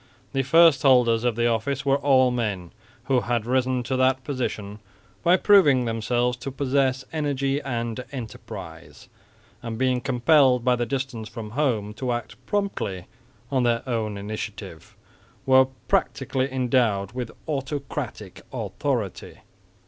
The first holders of the office were all men who had risen to that position by proving themselves to possess energy and enterprise, and being compelled by the distance from home to act promptly on their own initiative, were practically endowed with autocratic authority.